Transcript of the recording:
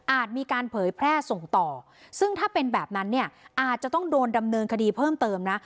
มีการเผยแพร่ส่งต่อซึ่งถ้าเป็นแบบนั้นเนี่ยอาจจะต้องโดนดำเนินคดีเพิ่มเติมนะ